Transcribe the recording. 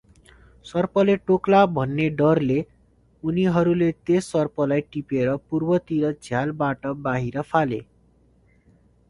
सर्पले टोक्ला भन्ने डरले उनीहरूले त्यस सर्पलाई टिपेर पूर्वतिरको झ्यालबाट बाहिर फाले ।